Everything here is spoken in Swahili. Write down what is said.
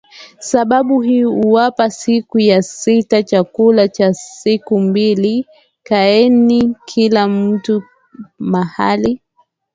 sababu hii huwapa siku ya sita chakula cha siku mbili kaeni kila mtu mahali